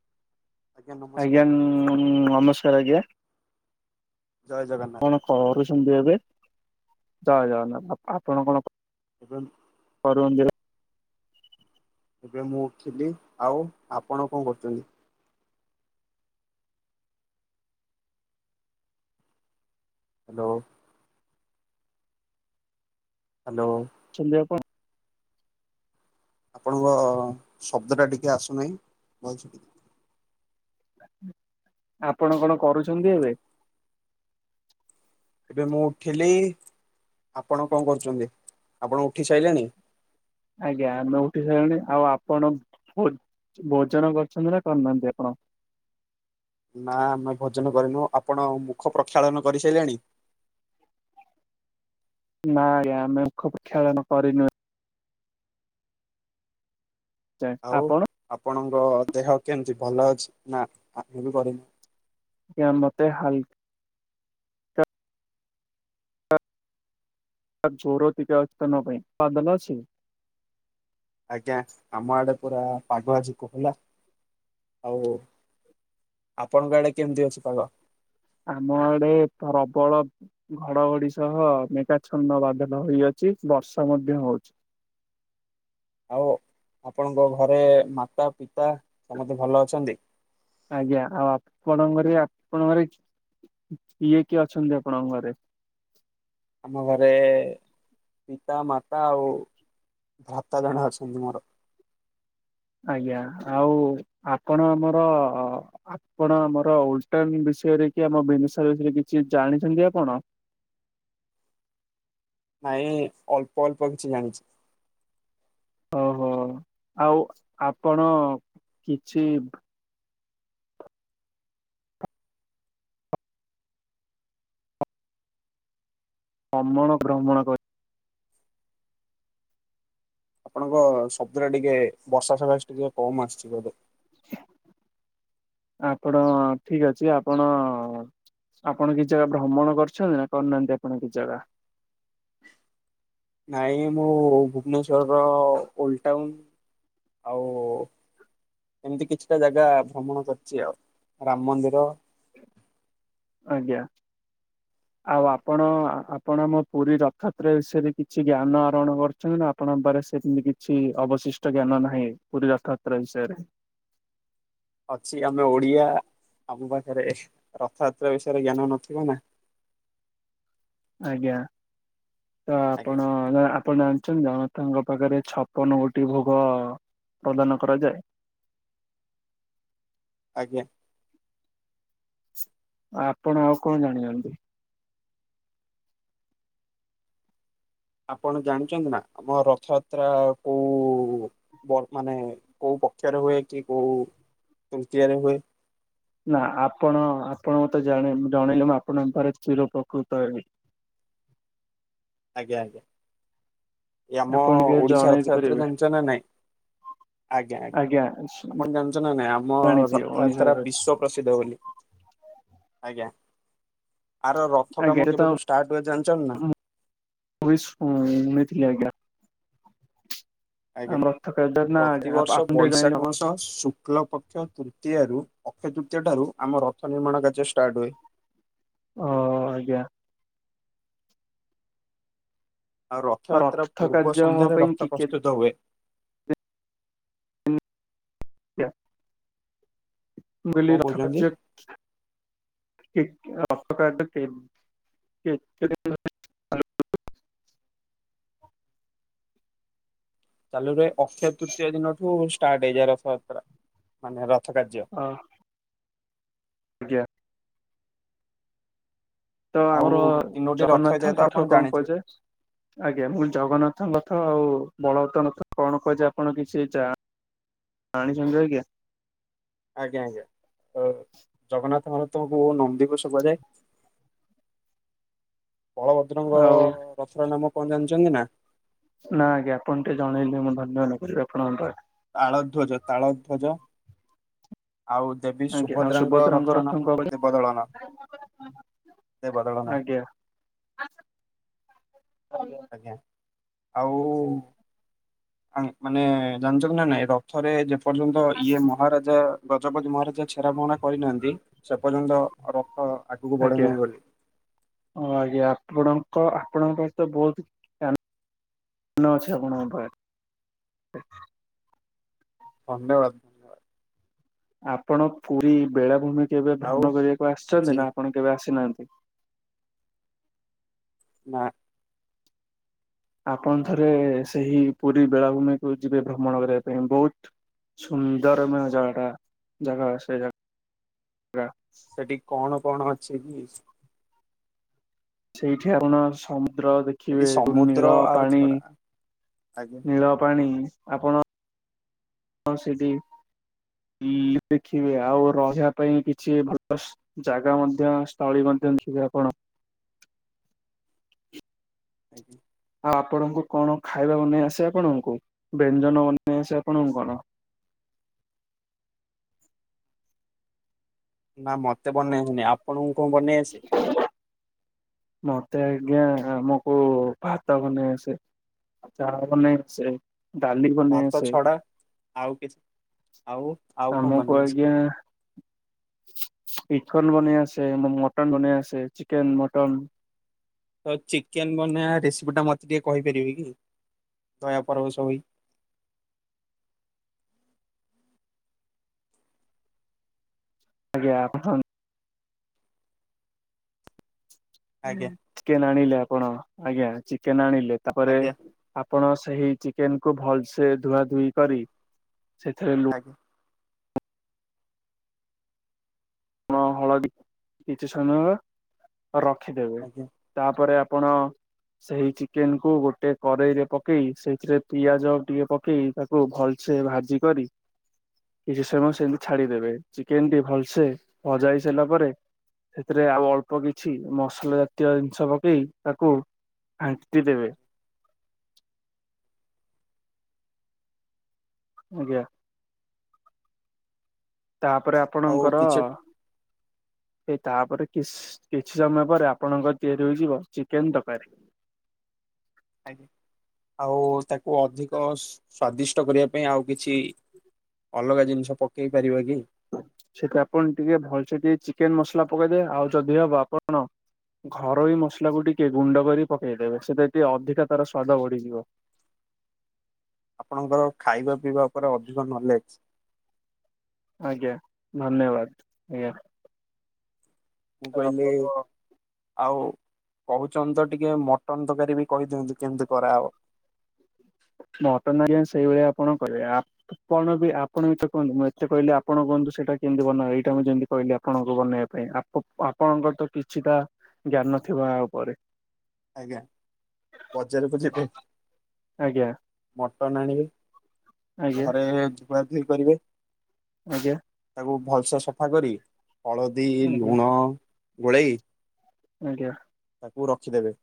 [unintelligible] ଆଜ୍ଞା ନମସ୍କାର ଆଜ୍ଞା। ଜୟ ଜଗନ। କରୁଚନ୍ତି ଏବେ ଜୟ ଜଗନ୍ନାଥ ଆପଣ କଣ [unintelligible] କର ଦି ଏବେ ମୁଁ ଉଠିଲି ଆଉ ଆପଣ କଣ କରୁଚନ୍ତି? [unintelligible] ହ୍ୟାଲୋ। ସନ୍ଧ୍ୟାପଣ ଆପଣଙ୍କ ଶବ୍ଦଟା ଟିକେ ଆସୁନାହିଁ ଭଲସେ ଆପଣ କଣ କରୁଚନ୍ତି ଏବେ? ଏବେ ମୁଁ ଉଠିଲି ଆପଣ କଣ କରୁଚନ୍ତି ଆପଣ ଉଠି ସାରିଲେଣି? ଆଜ୍ଞା, ଆମେ ଉଠି ସାରିଲୁଣି ଆଉ ଆପଣ ଭୋଜନ କରିଚନ୍ତି ନା କରିନାହାନ୍ତି ଆପଣ? ନା ଆମେ ଭୋଜନ କରିନୁ ଆପଣ ମୁଖ ପ୍ରକ୍ଷାଳନ କରିସାରିଲେଣି? ନାଁ ଆଜ୍ଞା ଆମେ ମୁଖ ପ୍ରକ୍ଷାଳନ କରିନୁ। ଏଯାଏଁ ଆଉ ଆପଣ? ଆପଣଙ୍କ ଦେହ କେମିତି ଭଲ ଅଛି ନାଁ ଆମ ବି କରିନୁ [unintelligible] ମତେ ହାଲ ତା ଚୋର ଟିକ ଅତନ ପାଇଁ ପାଦଲ ଅଛି। ଆଜ୍ଞା, ଆମ ଆଡେ ପୁରା ପାଗ ଆଜିକୁ ହେଲା ଆଉ ଆପଣଙ୍କ ଆଡେ କେମିତି ଅଛି ପାଗ? ଆମ ଆଡେ ପ୍ରବଳ ଘଡଘଡି ସହ ମେଘାଛନ୍ନ ବାଦଲ ହେଇଅଛି ବର୍ଷା ମଧ୍ୟ ହଉଚି। ଆଉ ଆପଣଙ୍କ ଘରେ ମାତା ପିତା ସମସ୍ତେ ଭଲ ଅଛନ୍ତି। ଆଜ୍ଞା, ଆଉ ଆପଣଙ୍କରେ ଆପଣଙ୍କରେ କିଏ କିଏ ଅଛନ୍ତି ଆପଣଙ୍କ ଘରେ? ଆମ ଘରେ ପିତା, ମାତା ଆଉ ଭ୍ରାତା ଜଣେ ଅଛନ୍ତି ମୋର। ଆଜ୍ଞା, ଆଉ ଆପଣ ଆମର ଆପଣ ଆମର ଓଲଟନ୍ ବିଷୟରେ କି ଆମ ବିନ୍ଦୁସାଗର ବିଷୟରେ କିଛି ଜାଣିଛନ୍ତି ଆପଣ? ନାଇଁ ଅଳ୍ପ ଅଳ୍ପ କିଛି ଜାଣିଚି। ଓହୋ ଆଉ ଆପଣ କିଛି ଅମଳ ଭ୍ରମଣ କରି ଆପଣଙ୍କ ଶବ୍ଦରେ ଟିକେ ବର୍ଷା ସକାଶେ ସେ ଟିକେ କମ୍ ଆସୁଚି ବୋଧେ। ଆପଣ ଠିକ୍ ଅଛି ଆପଣ ଆପଣ କିଛି ଜାଗା ଭ୍ରମଣ କରିଚନ୍ତି ନା କରିନାହାନ୍ତି ଆପଣ କିଛି ଜାଗା? ନାଇଁ ମୁଁ ଭୁବନେଶ୍ଵରର ଓଲଟାଉନ୍ ଆଉ ଏମିତି କିଛିଟା ଜାଗା ଭ୍ରମଣ କରିଛି ଆଉ ରାମ ମନ୍ଦିର ଆଜ୍ଞା। ଆଉ ଆପଣ ଆପଣ ଆମ ପୁରୀ ରଥତ୍ର ବିଷୟରେ କିଛି ଜ୍ଞାନ ଆରୋହଣ କରୁଛନ୍ତି ନାଁ। ଆପଣଙ୍କରେ ସେମିତି କିଛି ଅବଶିଷ୍ଟ ଜ୍ଞାନ ନାହିଁ ପୁରୀ ରଥଯାତ୍ର ବିଷୟରେ। ଅଛି ଆମେ ଓଡିଆ ଆମ ପାଖରେ ରଥଯାତ୍ରା ବିଷୟରେ ଜ୍ଞାନ ନଥିବ ନାଁ। ଆଜ୍ଞା। ତ ଆଜ୍ଞା ଆପଣ ଆପଣ ଜାଣିଛନ୍ତି ଜନତାଙ୍କ ପାଖରେ ଛପନ ଗୋଟି ଭୋଗ ପ୍ରଦାନ କରାଯାଏ। ଆଜ୍ଞା। ଆପଣ ଆଉ କଣ ଜାଣିଚନ୍ତି? ଆପଣ ଜାଣିଛନ୍ତି ନା ଆମ ରଥଯାତ୍ରା କୋଉ ବ ମାନେ କୋଉ ପକ୍ଷରେ ହୁଏ କି କୋଉ ତୃତୀୟରେ ହୁଏ। ନା ଆପଣ ଆପଣ ମତେ ଜ ଜଣେଇଲେୁ ମୁ ଆପଣଙ୍କ ପାରେ ଚିର ପ୍ରକୃତ ହେବି। ଆଜ୍ଞା ଆଞା। ଏ ଆମ ଆପଣ ଟିକେ ଓଡିଶା ଜଣେଇ ରର୍ଥଯାତ୍ରା ପାରିବେ ଜାଞ୍ଚ ନା ନାଇଁ। ଆଜ୍ଞା ଆଜ୍ଞା ଆପଣ ଜାଣିଛ ନା ନାଇଁ ଆମ ଜାଣିଛି ରା ଉଣେଇଶ ବିଶ୍ଵ ପ୍ରସିଦ୍ଧ ବୋଲି ଆଜ୍ଞା। ଆର କାାମ ଆଜ୍ଞା ସେ ତ କେବେଠୁ ଷ୍ଟାର୍ଟ ହୁଏ ଜାଣିଛନ ନା ଉ ଉମଦ ଲି କ ଆଜ୍ଞା ଆପଣ ପ୍ରତିବର୍ଷ ଟିକେ ବୈଶାଖ ଜାଣିଲେ ମାସ ଶୁକ୍ଲ ପକ୍ଷ ଅକ୍ଷୟ ତୃତୀୟ ର ଅକ୍ଷୟ ତୃତୀୟ ଠାରୁ ଆମ ରଥ ନିର୍ମାଣ କାର୍ଯ୍ୟ ଷ୍ଟାର୍ଟ ହୁଏ। ଓ ଆଜ୍ଞା। ଆଉ ରଥଯାତ୍ରା ରଥ ପୂର୍ବ କାର୍ଯ୍ୟ ହବା ସନ୍ଧ୍ୟାରେ ପାଇଁ ରଥ ଟିକେ ପ୍ରସ୍ତୁତ ହୁଏ। କଣ କହୁଛନ୍ତି ଗଲିଥା। [unintelligible] ଚାଲୁରେ ଅକ୍ଷୟ ତୃତୀୟ ଦିନଠୁ ଷ୍ଟାର୍ଟ ହେଇଯାଏ। ରଥଯାତ୍ରା ମାନେ ରଥ କାର୍ଯ୍ୟ। ହଁ। ଆଜ୍ଞା। ତ ଆଉ ଆମର ତିନୋଟି ରଥ ହେଇଯାଏ ତ ଆପଣ ଜଗନ୍ନାଥଙ୍କରଥା କଣ ଜାଣିଥିବେ କରୁଚ। ଆଜ୍ଞା ମୁଁ ଜଗନ୍ନାଥ ନଥ ଆଉ ବଳବତ ନଥ କଣ କୁହ ଯେ ଆପଣ କିଛି ଯା ପାଣି ସଞଜୟ ଆଞା। ଆଜ୍ଞା ଆଜ୍ଞା ଜଗନ୍ନାଥ ମହାତଙ୍କୁ ନମ ଦିବସ କ ଯାଏ। ବଳଭଦ୍ରଙ୍ଗ ଆଉ ରଥର ନାମ କଣ ଜାଣିଛନ୍ତି ନା? ନା ଆଜ୍ଞ ଆପଣ ଟିକେ ଜଣେଇଲେ ମୁଁ ଧନ୍ୟାନ କରିବି ଆପଣଙ୍କ ପାଖରେ ତାଳ ଧ୍ୱଜ ତାଳ ଧ୍ୱଜ ଆଉ। ଦେବୀ ଆଜ୍ଞା ଆଉ ସୁଭଦ୍ରାଙ୍କ ରଥର ନାମ ରଥଙ୍କ ହଉଛି ଆଜ୍ଞା ଦେବଦଳନା ଦେବଦଳନ। ହଁ। ଆଜ୍ଞା ଆଉ। ମାନେ ଜାଣିଛ ନା ନାଇଁ ରଥରେ ପର୍ଯ୍ୟନ୍ତ ଇଏ ମହାରାଜା ଗଜପତି ମହାରାଜା ଛେରା ପହରା କରିନାହାନ୍ତି ସେ ପର୍ଯ୍ୟନ୍ତ ରଥ ଆଗକୁ ବଢେନାହିଁ ବୋଲି। ହ ଆଜ୍ଞା ଆପଣଙ୍କ ଆପଣଙ୍କର ତ ବହୁତ ଅଛି ଆପଣଙ୍କ ପାଇଁ ହଙ୍ଗେ ଆପଣ ପୁରୀ ବେଳାଭୂମି କେବେ ଆଉ ଭ୍ରମଣ କରିବାକୁ ଆଜି ଆସିଛନ୍ତି ନା ଆପଣ କେବେ ଆସିନାହାନ୍ତି। ନା। ଆପଣ ଥରେ ସେଇ ପୁରୀ ବେଳାଭୂମିକୁୁ ଯିବେ ଭ୍ରମଣ କରିବା ପାଇଁ। ବହୁତ ସୁନ୍ଦର ମୋ ଜଗା, ଜଗା ସେ ଜଗା ସେଠି କଣ କଣ ଅଛି କି? ସେଇଠି ଆପଣ ସମୁଦ୍ର ଦେ ସେଠି ଖିବେ ସମୁଦ୍ର ନୀଳ ଆଉ ପାଣି ଛଡା ଆଜ୍ଞା ନୀଳ ପାଣି ଆପଣ ହଁ ସେଠି ଦେଖିବେ, ଆଉ ରହିବା ପାଇଁ କିଛି ଭଲ ସୁ ଜାଗା ମଧ୍ୟ ସ୍ଥଳୀ ମଧ୍ୟ ଦେଖିବେ ଆପଣ। [inaudible] ଆଉ ଆପଣଙ୍କୁ କଣ ଖାଇବା ବନେଇ ଆସେ ଆପଣଙ୍କୁ, ବ୍ୟଞ୍ଜନ ବନେଇ ଆସେ ଆପଣଙ୍କୁ କଣ? ନା ମତେ ବନେଇନି, ଆପଣଙ୍କୁ କଣ ବନେଇ ଆସେ? ମତେ ଆଜ୍ଞା ଆମକୁ ଭାତ ବନେଇ ଆସେ, ଚା ବନେଇ ଆସେ। ଡାଲି ବନେଇ ଭାତ ଆସେ। ଛଡା ଆଉ କିଛି ଆଉ ଆଉ କଣ ଆମକୁ ବନେଇ ଆସେ? ଆଜ୍ଞା ଚିକନ ବନେଇ ଆସେ, ମଟନ ବନେଇ ଆସେ, ଚିକେନ ମଟନ ତ ଚିକେନ ବନେଇବା ରେସିପି ଟା ମୋତେ ଟିକେ କହିପାରିବେ କି ଦୟାପର୍ବ ସବୁ ଆଜ୍ଞା ଆପଣ। ଆଜ୍ଞା ଚିକେନ ଆଣିଲେ ଆପଣ ଆଜ୍ଞା ଚିକେନ ଆଣିଲେ ତାପରେ ଆଜ୍ଞା ଆପଣ ସେଇ ଚିକେନକୁୁ ଭଲସେ ଧୁଆ ଧୁଇ କରି ସେଥିରେ ଲୁ [inaudible] ଲୁଣ ହଳଦୀ କିଛି ସମୟ ରଖିଦେବେ। ଆଜ୍ଞା ତାପରେ ଆପଣ ସେଇ ଚିକେନ କୁ ଗୋଟେ କରେେଇ ରେ ପକେଇ, ସେଇଥିରେ ପିଆଜ ଟିକେ ପକେଇ ତା ଓ ଭଲସେ ଭାଜି କରି [inaudible] କିଛି ସମୟ ସେମତି ଛାଡିଦେବେ ଚିକେନ ଟି ଭଲସେ ଭଜା ହେଇ ସାରିଲା ପରେ ସେଥିରେ ଆଉ ଅଳ୍ପ କିଛି ମସଲା ଜାତୀୟ ଜିନିଷ ପକେଇ ତାକୁ ଘାଣ୍ଟି ଦେେବେ। ଆଜ୍ଞା। ତାପରେ ଆଉ ଆପଣଙ୍କର କିଛି [inaudible] ଏଇ ତାପରେ କିସ୍‌ କିଛି ସମୟ ପରେ ଆପଣଙ୍କ ତିଆରି ହେଇଯିବ ଚିକେନ ତରକାରୀ। ଆଉ ତାକୁ ଅଧିକ ସ୍ଵାଦିଷ୍ଟ କରିବା ପାଇଁ ଆଉ କିଛି ଅଲଗା ଜିନିଷ ପକେଇ ପାରିବା କି ସେଥିପାଇଁ ଆପଣ ଟିକେ ଭଲସେ ଟିକେ ଚିକେନ ମସଲା ପକେଇଦେବେ, ଆଉ ଯଦି ହବ ଆପଣ ଘରୋଇ ମସଲାକୁ ଟିକେ ଗୁଣ୍ଡ କରି ପକେଇଦେବେ ସେଥିରେ ଟିକେ ଅଧିକା ତାର ସ୍ଵାଦ ବଢିଯିବ। ଆପଣଙ୍କର ଖାଇବା ପିଇବା ଉପରେ ଅଧିକ ନଲେଜ। ଆଜ୍ଞା ଧନ୍ୟବାଦ ଆଜ୍ଞା। ମୁଁ ତ କହିଲି, ଆପଣ ଆଉ କହୁଛନ୍ତି ତ ଟିକେ ମଟନ ତରକାରୀ ବି କହିଦିଅନ୍ତୁ କେମିତି କରାହବ। ମଟନ ଆଜ୍ଞା ସେଇଭଳିଆ ଆପଣ କରିବେ ଆ ଆପଣ ବି ଆପଣ ତ କୁହନ୍ତୁ, ମୁଁ ଏତେ କହିଲି ଆପଣ କୁହନ୍ତୁ ସେଇଟା କେମିତି ବନେଇବା। ଏଇଟା ମୁଁ ଯେମିତି କହିଲି ଆପଣଙ୍କୁ ବନେଇବା ପାଇଁ ଆ ଆପଣଙ୍କର ତ କିଛିଟା ଜ୍ଞାନ ଥିବ ଉପରେ ଆଜ୍ଞା ବଜାରକୁ ଯିବେ? ଆଜ୍ଞା ମଟନ ଆଣିବେ ଆଜ୍ଞା ଘରେ ଧୁଆ ଧୁଇ କରିବେ। ଆଜ୍ଞା। ତାକୁ ଭଲସେ ସଫା କରି ହଳଦୀ ଆଜ୍ଞା ଲୁଣ ଗୋଳେଇ ଆଜ୍ଞା। ତାକୁ ରଖିଦେବେ।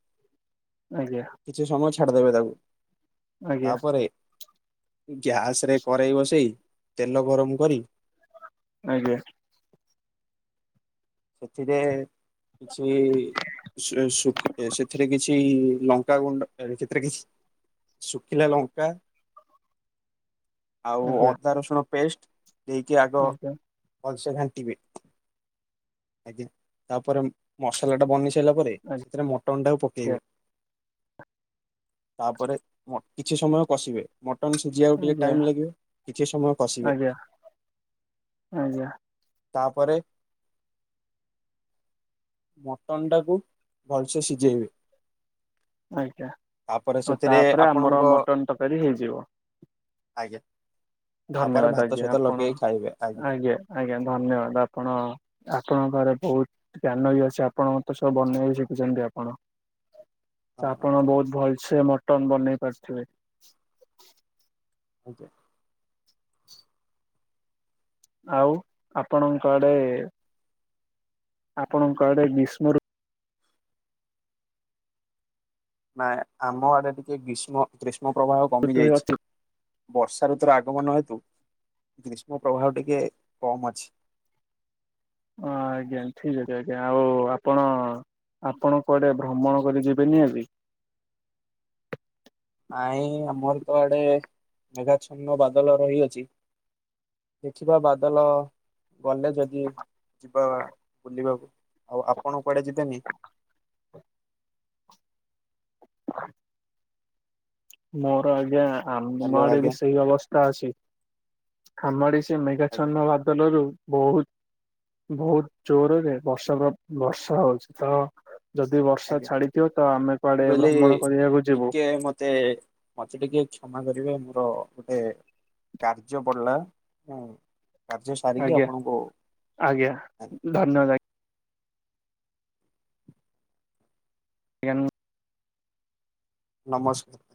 ଆଜ୍ଞା। କିଛି ସମୟ ଛାଡିଦେବେ ତାକୁ ଆଜ୍ଞା ତାପରେ ଗ୍ୟାସ ରେ କରେଇ ବସେଇ ତେଲ ଗରମ କରି ଆଜ୍ଞା। ସେଥିରେ କିଛି ସେ ସୁ ସେଥିରେ କିଛି ଲଙ୍କା ଗୁଣ୍ଡ ସେଥିରେ କିଛି ଶୁଖିଲା ଲଙ୍କା ଆଉ ଅ ଆଜ୍ଞା ଆଜ୍ଞା ଆଜ୍ଞା ଦା ରସୁଣ ପେଷ୍ଟ ଦେଇକି ଆଗ ଆଜ୍ଞା ଭଲସେ ଘାଣ୍ଟିବେ। ଆଜ୍ଞା ତାପରେ ମସଲା ଟା ବନି ସାରିଲା ପରେ ସେଥିରେ ମଟନ ଟାକୁ ପକେଇବେ। ତାପରେ କିଛି ସମୟ କଷିବେ। ମଟନ ସିଝିବାକୁ ଟିକେ ଆଜ୍ଞା ଟାଇମ୍ ଲାଗିବ କିଛି ସମୟ କସିବେ। ଆଜ୍ଞା। ତାପରେ ମଟନ ଟାକୁ ଭଲସେ ସିଝେଇବେ। ଆଜ୍ଞା ତାପରେ ଆଉ ସେଥିରେ ତାପରେ ଆପଣଙ୍କ ଆମର ମଟନ ତରକାରୀ ହେଇଯିବ। ଆଜ୍ଞା ତାପରେ ଧନ୍ୟବାଦ ଭାତ ଆଜ୍ଞା ସହିତ ଆପଣ ଲଗେଇକି ଖାଇବେ ଆଜ୍ଞା। ଆଜ୍ଞା ଧନ୍ୟବାଦ ଆପଣ ଆପଣ ଘରେ ବହୁତ ଜ୍ଞାନ ବି ଅଛି ଆପଣ ମତେ ସବୁ ବନେଇ ବି ଶିଖିଛନ୍ତି ଆପଣ। [inaudible] ଆପଣ ବହୁତ ଭଲସେ ମଟନ ବନେଇ ପାରୁଥିବେ। ଆଜ୍ଞା। ଆଉ ଆପଣଙ୍କ ଆଡେ ଆପଣଙ୍କ ଆଡେ ବୀଷ୍ମ ଋ ନାଇ ଆମ ଆଡେ ଟିକେ ଗ୍ରୀଷ୍ମ ଗ୍ରୀଷ୍ମ ପ୍ରବାହ କମି ଋତୁ ଯାଇଚି। ଅଛି ବର୍ଷା ଋତୁର ଆଗମନ ହେତୁ ଗ୍ରୀଷ୍ମ ପ୍ରବାହ ଟିକେ କମ ଅଛି। ହଁ ଆଜ୍ଞା ଠିକ୍ ଅଛି ଆଜ୍ଞା ଆଉ ଆପଣ ଆପଣ କୁଆଡ଼େ ଭ୍ରମଣ କରି ଯିବେନି ଆଜି? ନାଇଁ ଆମର ତ ଆଡେ ମେଘା ଛନ୍ନ ବାଦଲ ରହିଅଛି। ଦେଖିବା ବାଦଲ ଗଲେ ଯଦି ଯିବା ବୁଲିବାକୁ ଆଉ ଆପଣ କୁଆଡେ ଯିବେନି? ହ [unintelligible] ମୋର ଆଜ୍ଞା ଆମ ହ୍ୟାଲୋ ଆଡେ ଆଜ୍ଞା ବି ସେଇ ଅବସ୍ଥା ଅଛି। ଆମ ଆଡେ ବି ସେ ଆଜ୍ଞା ମେଘାଛନ୍ନ ବାଦଲରୁ ବହୁତ ବହୁତ ଜୋରରେ ବର୍ଷା ବର୍ଷା ହଉଚି ତ ଯଦି ବର୍ଷା ଆଜ୍ଞା ଛାଡିଯିବ ତ ଆମେ କୁଆଡେ ଭ୍ରମଣ କରିବାକୁ ଯିବୁ। ଏଇ ମତେ ମତେ ଟିକେ କ୍ଷମା କରିବେ ମୋର ଗୋଟେ କାର୍ଯ୍ୟ ପଡିଲା କାର୍ଯ୍ୟ ସାରିକି ଆପଣଙ୍କୁ ଧନ୍ୟବାଦ୍ ଭାଇ। ଆଜ୍ଞା ନମସ୍କ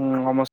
ହୁଁ ନମସ୍